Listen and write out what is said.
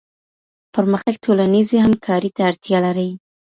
پرمختګ ټولنيزې همکارۍ ته اړتيا لري.